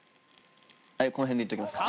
はいこの辺でいっておきます。